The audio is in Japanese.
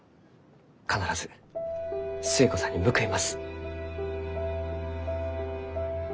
必ず寿恵子さんに報います。